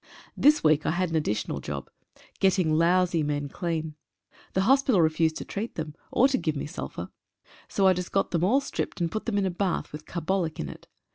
This week I had an additional job — getting lousy men clean. The hospital refused to treat them, or to give me sulphur. So I just got them all stripped, and put them in a bath with carbolic in it.